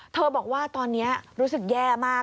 บอกว่าตอนนี้รู้สึกแย่มาก